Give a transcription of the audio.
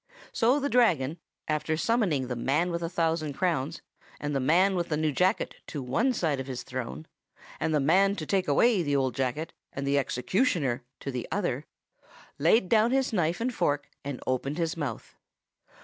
"So the Dragon, after summoning the man with the thousand crowns and the man with the new jacket to one side of his throne, and the man to take away the old jacket and the executioner to the other, laid down his knife and fork and opened his mouth.